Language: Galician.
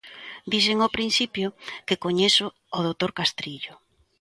Dixen ao principio que coñezo o doutor Castrillo.